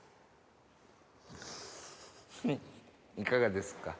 いかがですか？